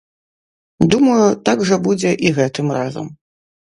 Думаю, так жа будзе і гэтым разам.